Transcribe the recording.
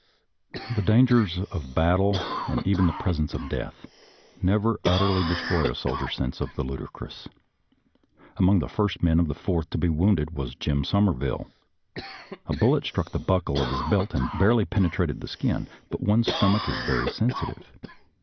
The dangers of a battle, and even the presence of death, never utterly destroy a soldier's sense of the ludicrous. Among the first men of the Fourth to be wounded was Jim Summerville. A bullet struck the buckle of his belt and barely penetrated the skin, but one's stomach is very sensitive.